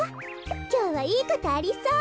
きょうはいいことありそう。